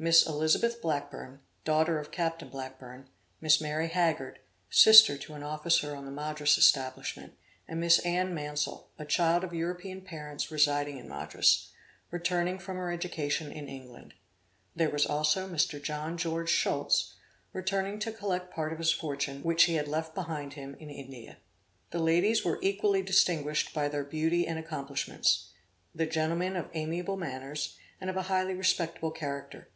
Miss Elizabeth Blackburne, daughter of Captain Blackburne; Miss Mary Haggard, sister to an officer on the Madras establishment, and Miss Anne Mansel, a child of European parents residing in Madras, returning from her education in England. There was also Mr. John George Schutz, returning to collect part of his fortune, which he had left behind him in India. The ladies were equally distinguished by their beauty and accomplishments; the gentlemen of amiable manners, and of a highly respectable character.